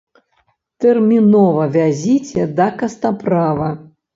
Тэрмінова вязіце да кастаправа!